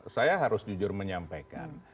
saya harus jujur menyampaikan